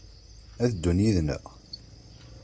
Ad d-ddun yid-neɣ?